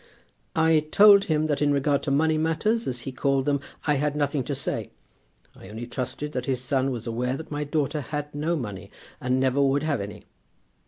"I told him that in regard to money matters, as he called them, I had nothing to say. I only trusted that his son was aware that my daughter had no money, and never would have any.